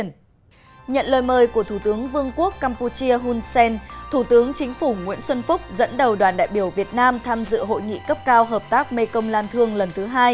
nhận lời mời của thủ tướng vương quốc campuchia hun sen thủ tướng chính phủ nguyễn xuân phúc dẫn đầu đoàn đại biểu việt nam tham dự hội nghị cấp cao hợp tác mekong lan thương lần thứ hai